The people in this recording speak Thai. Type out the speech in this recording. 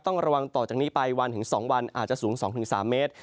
ต้องระวังต่อจากนี้ไปวันถึง๒วันอาจจะสูง๒๓เมตร